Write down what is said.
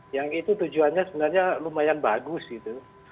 yang itu tujuannya sebenarnya lumayan bagus gitu